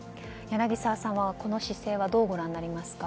柳澤さんは、この姿勢はどうご覧になりますか？